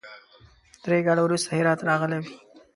درې کاله وروسته هرات راغلی وي.